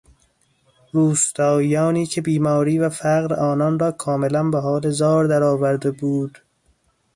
روستاییانی که بیماری و فقر آنان را کاملا به حال زار در آورده بود